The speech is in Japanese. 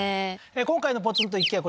今回のポツンと一軒家